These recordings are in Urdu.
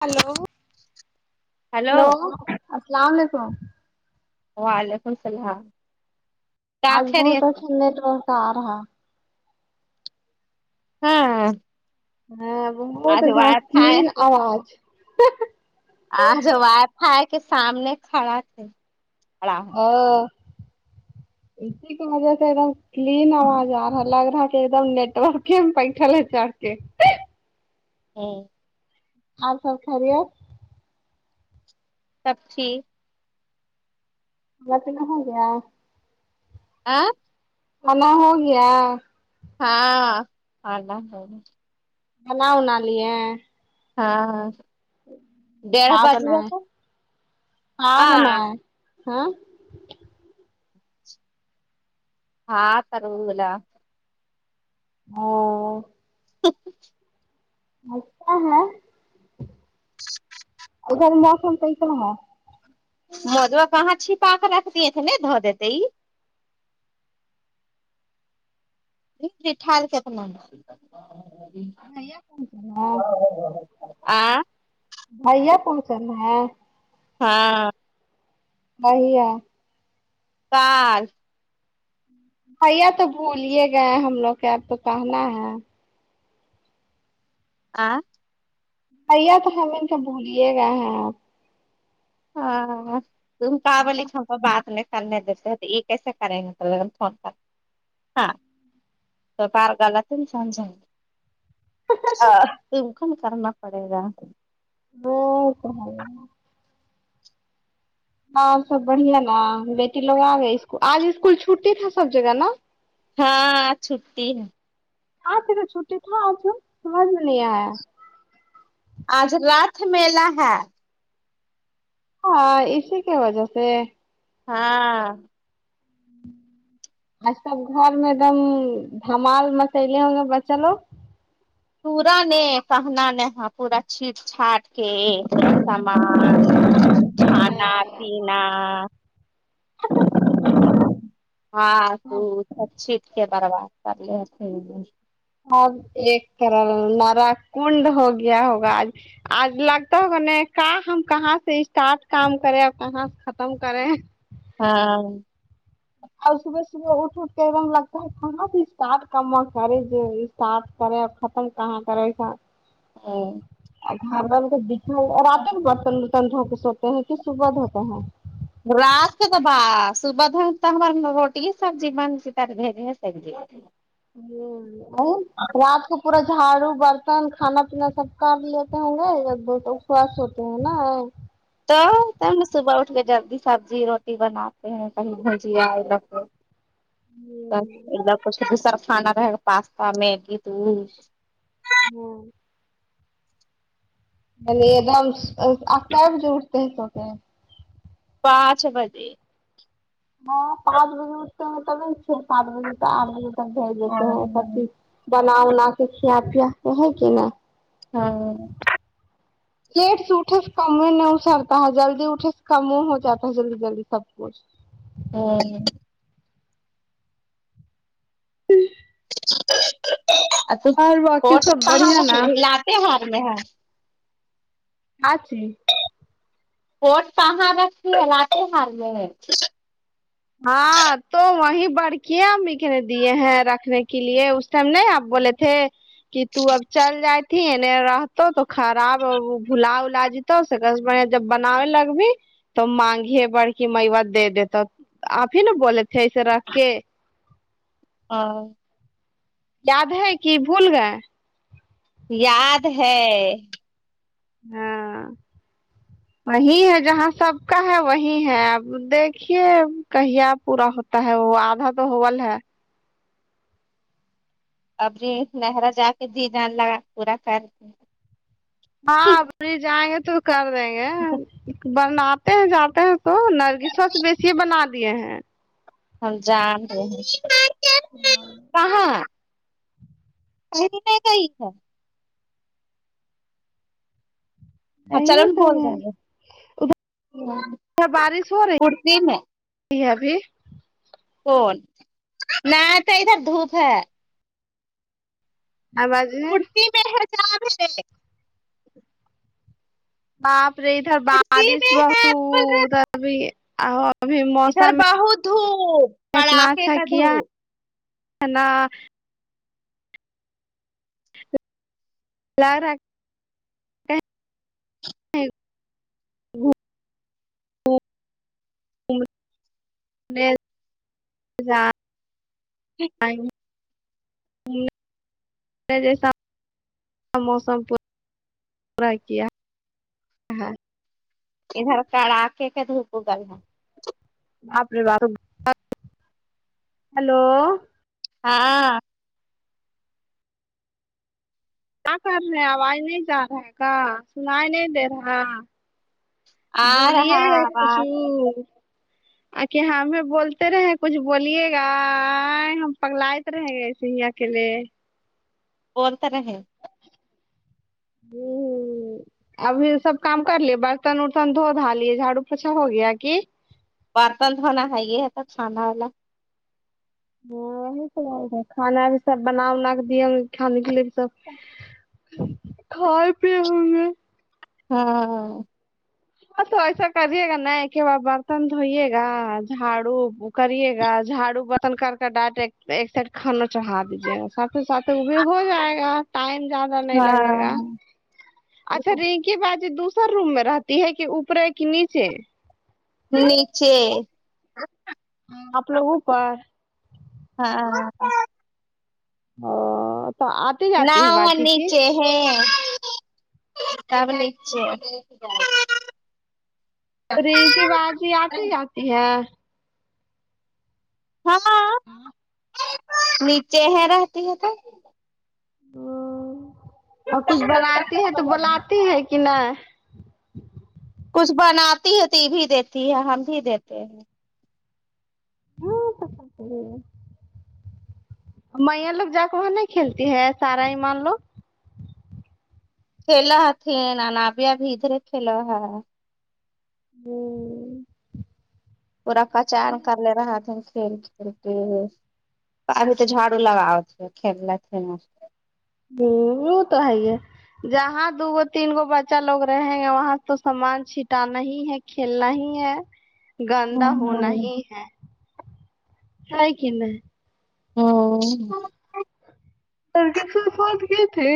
ہیلو ہلو السلام علیکم وعلیکم السلام کیا آج بہت خیریت ہے؟ اچھا نیٹ ورک آ رہا ہاں ہاں بہت آج اچھا وائی فائی کلین کے آواز آج وائی فائی کے سامنے کھڑا تھے اور آپ آ اسی کے وجہ سے ایک دم کلین آواز آ رہ لگ رہا تو ایک دم نیٹورک کے بیٹھے چڑھ کے ہمم آپ سب خیریت سب ٹھیک گیا [unintelligible] آ کھانا ہوگیا ہاں کھانا ہے کھانا بنا لیے ہاں ہاں ڈیڑھ ہاں بج گیا بنائے تو ہاں آ بنائے ہاں ہاں [unintelligible] [unintelligible] اچھا ہے ادھر موسم کیسا ہے موضوا کہاں چھپا کر رکھ دیے تھے نہیں دیتے ئ [unintelligible] بھیا پہنچل ہے آ بھیا پہنچا ہیں ہاں بھیا [unintelligible] بھیا تو بھول گئے ہم لوگ کیا اب تو کہنا ہے آ بھیا تو ہمیں تو بھلیے گا ہے ہاں ہاں تم پاگل ایچ آپ ہو گئی بعد میں کریں گے فون پر [unintelligible] [unintelligible] آ بالکل کرنا پڑے گا وہ تو ہے ہاں سب بڑھیا نا بیٹی لوگ آ گئے اسکول آج اسکول چھٹی تھا سب جگہ نا ہاں ہاں چھٹی ہے آج تیرا چھٹی تھا آج سمجھ میں نہیں آیا ہے آج راتھ میلہ ہے ہاں اسی کے وجہ سے ہاں آج سب گھر میں دم دھمال بچا رہے ہوں گے بچہ لوگ پورانے کہنا نے پورا چٹ چاٹ کے سامان کھانا پینا [unintelligible] ہاں تو سب چیٹ کے برباد کر لیے [unintelligible] آب ایک کرل نرا کنڈ ہو گیا ہوگا آج آج لگتا ہوگا نہیں کا ہم کہاں سے اسٹارٹ کام کریں اور کہاں سے ختم کریں ہاں اور صبح صبح اٹ اٹھ کے وہاں لگتا ہے تھا نا کی اسٹارٹ کم کرے جو صاف کرے اور ختم کہاں کرے ہمم گھر والوں کو دکھا اور رات میں برتن برتن دھو کے سوتے ہیں کی صبح دھوتے ہیں [unintelligible] روٹی سبزی جی یا ٹھی نہ اور رات کو پورا جھاڑو برتن کھانا پینا سب کام بھی لیتے ہوں گے ایک دو تو اس کے بعد سوتے ہیں نا تو صبح اٹھ کے جلدی سبزی روٹی بناتے ہیں کہیں بھجیا یے لوگ کو [unintelligible] کھانا رہے گا پاستا میگی تو وہ دم آپ کیا بجے اٹتے ہیں سوتے ہے [unintelligible] پانچ بجے ہاں پانچ بجے اٹھتے ہے تب چھ پانچ بجے تہ آٹھ بجے تک بھیج دیتے ہیں سب چیز وہ ہے کی نہیں [unintelligible] ہاں لیٹ سے اٹھے سے کم نہیں اسرتا ہے جلدی اٹھے سے کم ہو جاتا ہے جلدی جلدی سب کچھ ہمم اور باقی سب بڑھیا نا [inaudible] آچی [unintelligible] ہاں تو وہی بڑکیاں امی کا نے دیے ہیں رکھنے کے لیے اس ٹائم نہیں آپ بولے تھ تھے کی تو اب چل جاتھی ہے نہیں رہ تو خراب بھلا ولاج جب بناوے لگ بھی تو مانگی ہے بڑ کی میوت دے دے تو [unintelligible] آپ ہی نا بولے تھے ایسے رکھ کے ہاں یاد ہے کی بھول گئے یاد ہے ہاں وہی ہے جہاں سب کا ہے وہی ہے اب دیکھیے کہی یا پورا ہوت تا ہے وہ آدھا تو ہوول ہے ابھی نہر جا کے جی جان لگا پورا کر کے ہاں اب لے جائیں گے تو کر دیں گے اچھا بناتے ہیں جاتے ہیں تو نرگس وا سے بیسیے سے بنا دیے ہیں ہم جان تے ہیں یہی کہاں [unintelligible] ہاں چلو بول سب ہے دیں گے بارش ہو رہی کڑتی میں ہے ابھی کون نہ تو ادھر دھوپ ہے آواز ہے [unintelligible] باپ رے ادھر کرسی بارش میں ہے بول رہے بہت [unintelligible] ادھر موسم بہ میں دھوپ اتنا پڑاخے اچھا کا کیا دھپ ہے نا ل ر ہے میں جیسا موسم پورا کیا ادھر کڑا کے کے دھوپ گا ہے بے ب ہلو ہاں کیا کر رہے آواز نہیں جا رہا گ سنائی نہیں دے رہا آ رہا بولیے کوچھ آواز اک ہمیں بولتے رہے کچھ بولیے گا ہم پگلت رہیں گے ایسےیا کے لیے بن طرح ہے ہوں ابھی سب کام کر لیے برتن ورتن دھو دھا لیے جھاڑو پوچا ہو گیا کی برتن دھونا ہے یہ یہ تو کھانا والا ہاں وہی س کانا بھی سب بنا ونا کے دیا کانے کے لیے بھی سب کھائے پی ہوئے ہاں تو ایسا کریے گا ن کے با برتن دھوئیے گا جھاڑو کریے گا جھاڑو برتن کر کے ڈٹ ایک سائڈ کھانا چڑھا ا ساتھ ساتھ وہ بھی ہو جائے گا ٹائم زیادہ نہیں لگے گا ہاں اچھا رینکی بازی دوسر روم میں رہتی ہے کہ اوپرے کہ نیچے نیچے ہاں اپپ لگ اوپ ہاں ہاں تو آج ن وہ نیچے ہ ک ب رینک کی بازی آتی جاتی ہے ہاں نیچے ہے رہتی ہے تو ہ اور کچھ بناتی ہے تو بلاتی ہے کہ نہیں کچھ بناتی ہے تو یہ بھی دیتی ہے ہم بھی دیتے ہیں ہاں سک کرے میا لوگا کے وہاں نہیں کھیلتی ہے سارا ایمان لوگ کھیلا تھھی نانابیا بھی ادھرے کھیلاو ہا ہوں پورا پہچان کر لے رہا تھ کھیل ابھی تو جھاڑو لگاؤ تھ کھیل تھ ن ہ وہ تو ہے ہے جہاں دو گو تین گو بچا لوگ رہیں گ وہاں تو سامان چھٹانا ہی ہے کھیلنا ہی ہے گندا ہونا ہی ہے ہے کہ نہیں ہوں سر کے صرفاد کیئے تھھی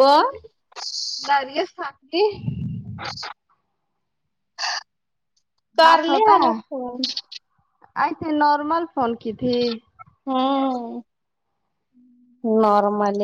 کو نارییا ساکنی ا بات ہوتا ہے ایسے نارمل فون کی تھی ہاں نارمل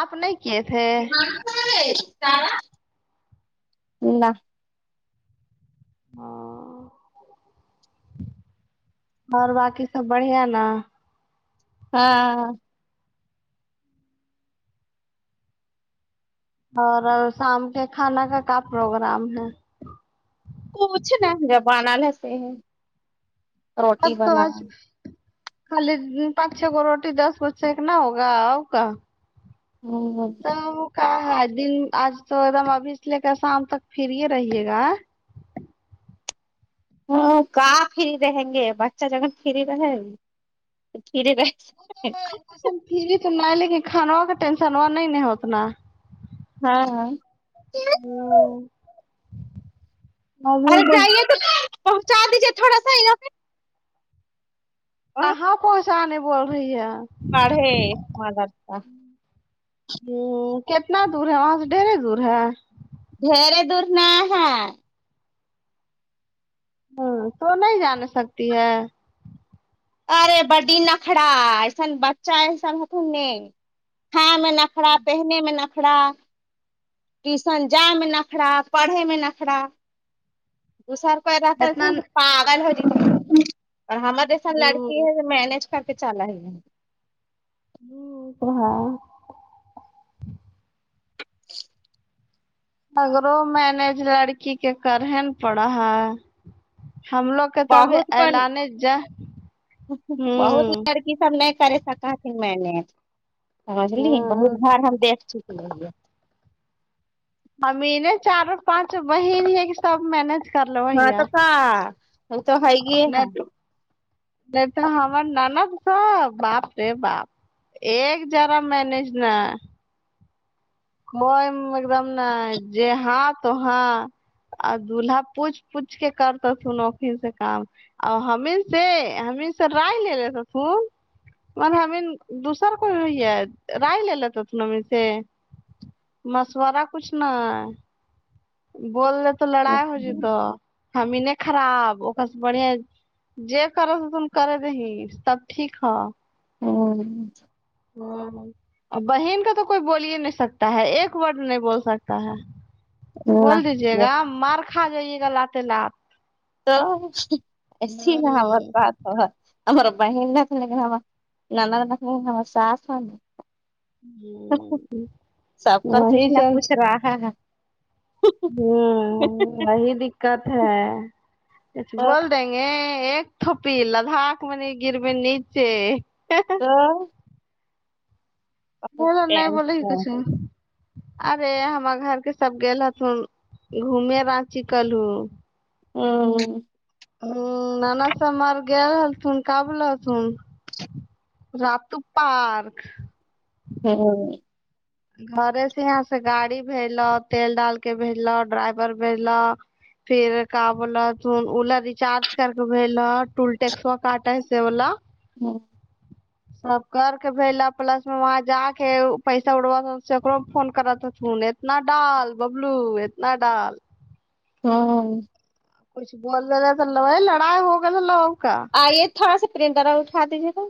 آپ نہیں کیے تھے نہ ہاں اور باقی سب بڑیا نا ہاں اور شام کے کھانا کا کیا پروگرام ہے کچھ نہیں زبانا لسے ہیں اب تو آج خالی پانچ چھ کو روٹی دس کو چھ ایک نہ ہوگا آؤ کا ہاں ہاں کا ہے دن آج تو ایک دم ابھی سے لے کر شام تک پھر ہی رہیے گا ہاں کہاں فری رہیں گے بچہ جگہ فری رہے گی پھرے رہینگے پسند بھی تو میں لیکن کھانا کا ٹینشن ہوا نہیں نہیں اتنا ہاں ہاں ھم ارے جائیے تو پہنچا دیجیے تھوڑا سااھر کہاں پہنچانے بول رہی ہے پڑھے مدار کا ہ کتنا دور ہے وہاں سے ڈھیری دور ہے دھڑے دور نہ ہےا ہوں تو نہیں جان سکتی ہے ارے بڈی نخڑا ایسن بچہ ایسن ہتن ن ہاں میں نخڑا پہنے میں نخڑا ٹیوشن جائے میں نخرا پڑھے میں نخرا دوسرا پیدا کرکے اتنا پاگل ہو جائیںگے اور ہمے دیکھو کی ہوں ہے مینج کر کے چالا ہی نہیں ہاں اگرو مینج لڑکی کے کرہ ن پڑا ہے ہم لوگ کابھی ایلان جنگ ہوں یہ سب نہیں کرے سک تھن میں نے سمجھلی بہت ہاں گھر ہم دیکھ چک لے ابھی چاروں پانچ بہن ہے کہ سب ماننجے ہاں تو کا ا تو ہے گی نہیں نہیں تو ہمار نانا تو باپ رے باپ ایک جرا مینج نا کوئیم ایک دم ن ج ہاں تو ہاں آ دولہا پوچھ پوچھ کے کرتا س نوکری سے کام اور حمید سے ہممید سے رائے لے رہے تھ تم اور ہمین دوسر کوئی ہوئی ہے رائے لے لاتت ن ہم سے مشورہ کچھ ن بول رہ تو لڑائی ہو جت ہمیں نہیں خراب و سے بڑھیا ج کرو س تن کر دہ سب ٹھیک ہو ہوں بہین کا تو کوئی بول ہی نہیں سکتا ہے ایک ورڈ نہیں بول سکتا ہے بول دیجے گا مار کھا جائیے گا لات لات تو ایسی نہ اور ہوں بات [unintelligible] سب کر کچھ وہی نہ کچھ رہا ہے ھمم وہی دککت ہے بول دیںے ایک تھوپی لداخ میں نہیں گرب نیچے ہاں بولو نہیں بول ہی کچھ ارے ہمار گھر کے سب گ ہتن گھوم راچی کلو ھمم [unintelligible] راتو پارک ھمم گھر سے یہاں سے گاڑی بھیجو تل ڈال کے بھیج لو ڈرائیور بھیج لو [unintelligible] ما سب کر کے بیلا پلس میں وہاں جا کے پیسا اڑوا سےوں میں فون کر اتنا ڈال ببلو اتنا ڈال ھمم کچھ بول دو تو لڑائی ہوگا یہ لوگ کا آئیے تھوڑا سا پرنٹر اٹھا دیجیے گا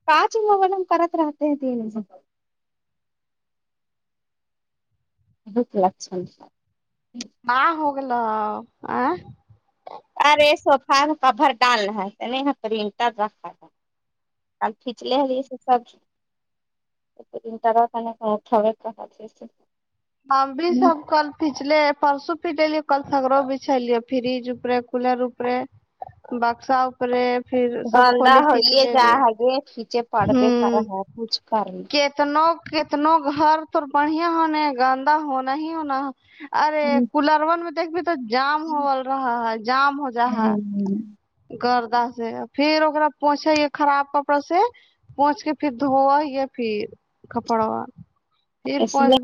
[unintelligible] [unintelligible] [unintelligible] ارے سوفہ کوور ڈال رہے تہے نہیں یہا پرنٹر رکھا تھا آ کھینچ لیے [unintelligible] [unintelligible] ہم بھی سب کل پچلے پرسوں پٹلی کل سگڑوں بچھلیے فریج اپرے کولر اپرے بکساپرے گندا ہوے جا ہےگے پیچے پڑھ گۓ صالحہ کچھ کرلے کتنا کتنا گھر تو بڑھیا ہونے گانندا ہونا ہی ہونا ارے ہوں کولر ون میں دیکھ بھی تو جام ہو رہا ہے جام ہو جا ہے ھمم گردا سے پھر [unintelligible] پوچا خراب کپڑا سے پہنچ کے پھر دھوا یا پھر کھپڑا پھر اس لیے پہنچ